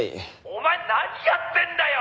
「お前何やってんだよ！